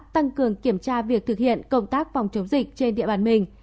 tăng cường kiểm tra việc thực hiện công tác phòng chống dịch trên địa bàn mình